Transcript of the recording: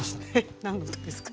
何のですか？